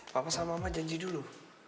papa sama mama janji dulu